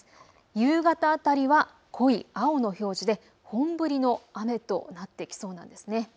夕方辺りは濃い青の表示で本降りの雨となってきそうなんですね。